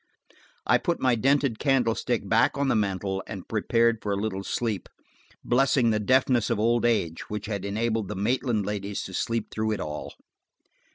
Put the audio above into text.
I put my dented candlestick back on the mantel, and prepared for a little sleep, blessing the deafness of old age which had enabled the Maitland ladies to sleep through it all.